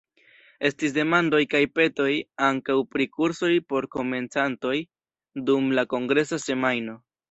Estis demandoj kaj petoj ankaŭ pri kursoj por komencantoj dum la kongresa semajno.